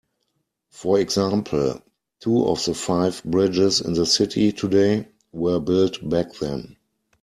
For example, two of the five bridges in the city today were built back then.